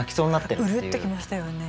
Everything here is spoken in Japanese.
うるってきましたよね。